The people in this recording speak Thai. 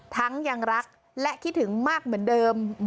ยังรักและคิดถึงมากเหมือนเดิม